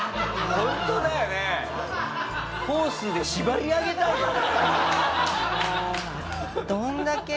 ホースで縛り上げたいよね。